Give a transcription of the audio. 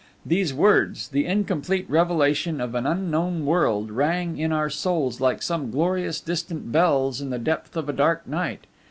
These words, the incomplete revelation of an unknown world, rang in our souls like some glorious distant bells in the depth of a dark night.